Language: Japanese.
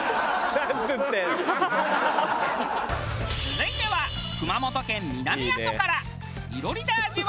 続いては熊本県南阿蘇から。